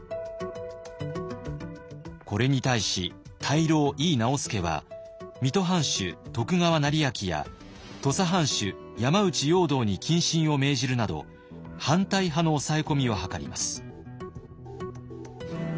これに対し大老井伊直弼は水戸藩主徳川斉昭や土佐藩主山内容堂に謹慎を命じるなど反対派の抑え込みを図ります。